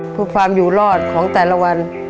เพื่อความอยู่รอดของแต่ละวัน